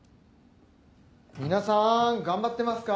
皆さん頑張ってますか？